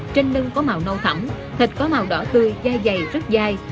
trên đưng có màu nâu thẳm thịt có màu đỏ tươi dai dày rất dai